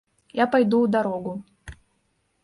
Я пайду ў дарогу.